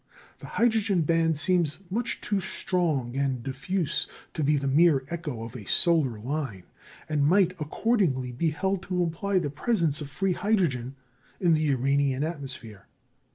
The hydrogen band seems much too strong and diffuse to be the mere echo of a solar line, and might accordingly be held to imply the presence of free hydrogen in the Uranian atmosphere.